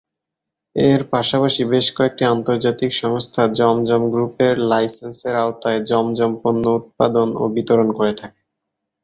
এর পাশাপাশি বেশ কয়েকটি আন্তর্জাতিক সংস্থা জমজম গ্রুপের লাইসেন্সের আওতায় জমজম পণ্য উৎপাদন ও বিতরণ করে থাকে।